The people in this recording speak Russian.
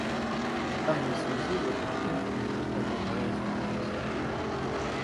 В данной связи в этот день в Комитете образовалась вакансия.